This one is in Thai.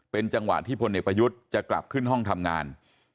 เป็นจังหวะที่พลเอกประยุทธ์จะกลับขึ้นห้องทำงาน